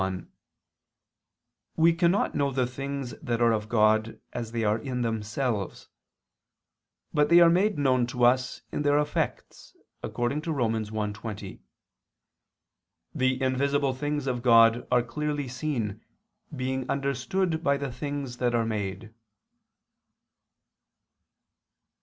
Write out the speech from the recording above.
1: We cannot know the things that are of God, as they are in themselves; but they are made known to us in their effects, according to Rom. 1:20: "The invisible things of God ... are clearly seen, being understood by the things that are made."